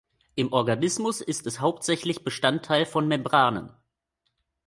Im Organismus ist es hauptsächlich Bestandteil von Membranen.